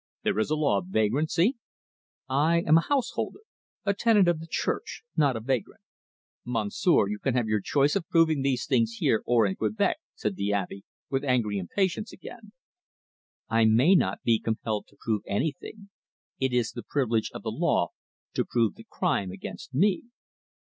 "There is a law of vagrancy." "I am a householder, a tenant of the Church, not a vagrant." "Monsieur, you can have your choice of proving these things here or in Quebec," said the Abbe, with angry impatience again. "I may not be compelled to prove anything. It is the privilege of the law to prove the crime against me."